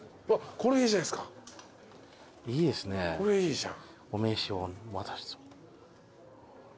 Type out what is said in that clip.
これいいじゃん。